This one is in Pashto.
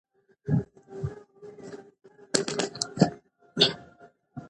د کورنیو ملاتړ وکړئ.